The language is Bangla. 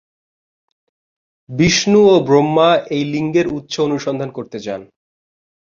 বিষ্ণু ও ব্রহ্মা এই লিঙ্গের উৎস অনুসন্ধান করতে যান।